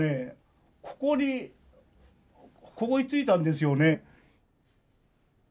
ここにここに着いたんですよね。